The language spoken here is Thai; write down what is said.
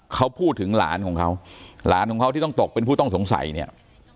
เขาพูดถึงหลานของเขาหลานของเขาที่ต้องตกเป็นผู้ต้องสงสัยเนี่ย